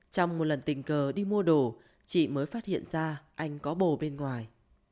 trong một lần tình cờ đi mua đồ chị mới phát hiện ra anh có bồ bên ngoài